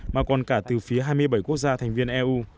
mà còn cả từ phía hai mươi bảy quốc gia thành viên eu